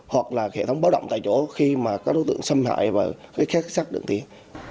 hoặc là hệ thống báo động tại chỗ khi có đối tượng xâm hại và khác sắc đường tiến